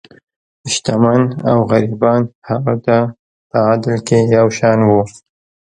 شتمن او غریبان هغه ته په عدل کې یو شان وو.